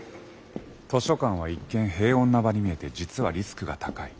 図書館は一見平穏な場に見えて実はリスクが高い。